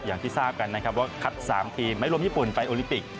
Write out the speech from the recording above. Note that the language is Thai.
อย่างที่ทราบกันนะครับว่าคัด๓ทีมไม่รวมญี่ปุ่นไปโอลิปิก